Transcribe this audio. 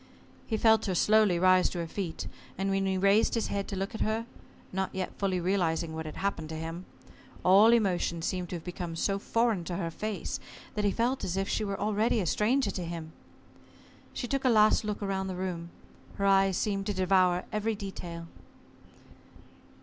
He felt her slowly rise to her feet, and when he raised his head to look at her not yet fully realizing what had happened to him all emotion seemed to have become so foreign to her face, that he felt as if she were already a stranger to him. She took a last look round the room. Her eyes seemed to devour every detail.